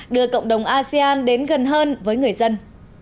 đưa cộng đồng asean đến gần hơn với người dân